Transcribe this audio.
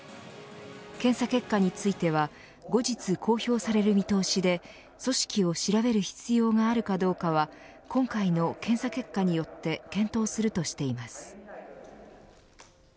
検査結果については後日公表される見通しで組織を調べる必要があるかどうかは今回の検査結果によって検討するとしています。